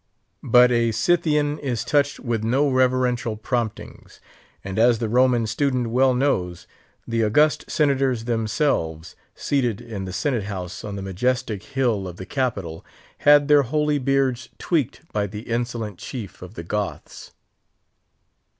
But a Scythian is touched with no reverential promptings; and, as the Roman student well knows, the august Senators themselves, seated in the Senate house, on the majestic hill of the Capitol, had their holy beards tweaked by the insolent chief of the Goths.